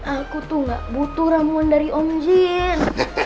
aku tuh gak butuh ramuan dari om jin